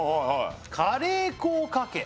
「カレー粉をかけ」